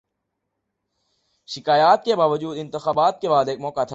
شکایات کے باوجود، انتخابات کے بعد ایک موقع تھا۔